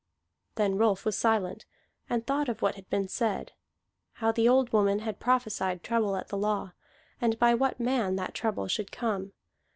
Then Rolf was silent, and thought of what had been said: how the old woman had prophesied trouble at the law, and by what man that trouble should come.